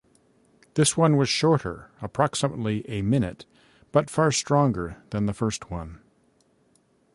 This one was shorter, approximately a minute, but far stronger than the first one.